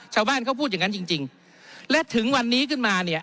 ชาวบ้านเขาพูดอย่างนั้นจริงจริงและถึงวันนี้ขึ้นมาเนี่ย